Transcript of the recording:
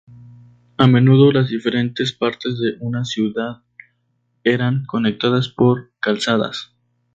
A menudo las diferentes partes de una ciudad eran conectadas por calzadas.